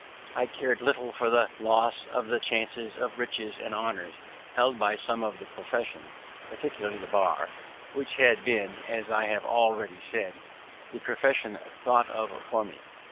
I cared little for the loss of the chances of riches and honours held out by some of the professions, particularly the bar, which had been, as I have already said, the profession thought of for me.